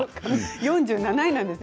４７位なんですね